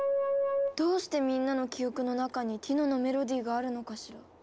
どうしてみんなの記憶の中にティノのメロディーがあるのかしら？